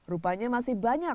rupanya masih banyak